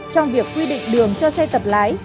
trong việc quy định đường cho xe tập lái